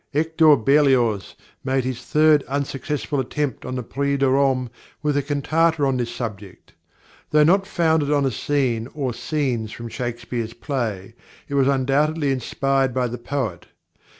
+Hector Berlioz+ made his third unsuccessful attempt on the Prix de Rome with a cantata on this subject. Though not founded on a scene or scenes from Shakespeare's play, it was undoubtedly inspired by the poet.